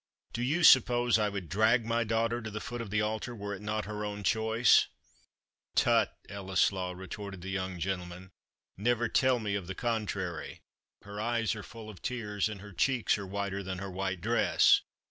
"Do you suppose I would drag my daughter to the foot of the altar, were it not her own choice?" "Tut, Ellieslaw," retorted the young gentleman, "never tell me of the contrary; her eyes are full of tears, and her cheeks are whiter than her white dress.